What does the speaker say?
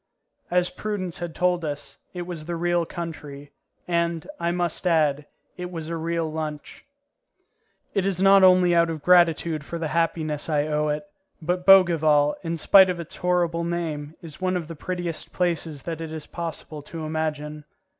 As Prudence had told us, it was the real country, and, I must add, it was a real lunch. It is not only out of gratitude for the happiness I owe it, but Bougival, in spite of its horrible name, is one of the prettiest places that it is possible to imagine.